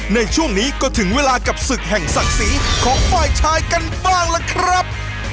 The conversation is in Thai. ในช่วงนี้ก็ถึงเวลากับศึกแห่งศักดิ์ศรีของฝ่ายชายกันบ้างล่ะครับ